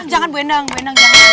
jangan bu endang